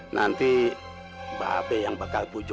nanti mbak be yang bakal pujuk ibu lo